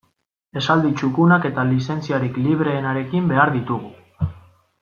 Esaldi txukunak eta lizentziarik libreenarekin behar ditugu.